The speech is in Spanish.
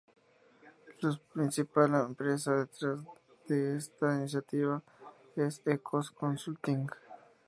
La principal empresa detrás de esta iniciativa es Ecos Consulting.